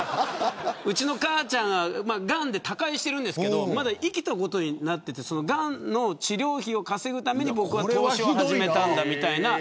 うちの母ちゃんは、がんで他界しているんですけどまだ生きていることになっててがんの治療費を稼ぐために投資を始めたんだ、みたいな。